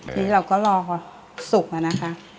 ทีนี้เราก็รอสุกอะนะคะ